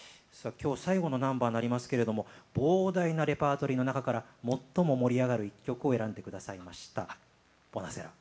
今日最後のナンバーになりますけれども膨大なレパートリーの中から最も盛り上がる一曲を選んでくださいました。